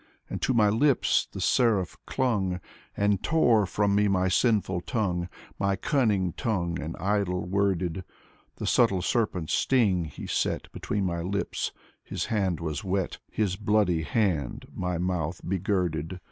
And to my lips the Seraph clung And tore from me my sinful tongue, My cunning tongue and idle worded; The subtle serpent's sting he set Between my lips — his hand was wet. His bloody hand my mouth begirded.